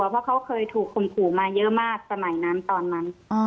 เพราะเขาเคยถูกคมขู่มาเยอะมากสมัยนั้นตอนนั้น